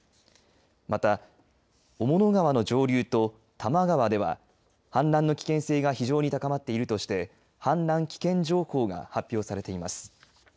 また、雄物川の上流と玉川では氾濫の危険性が非常に高まっているとして氾濫危険情報が発表されています。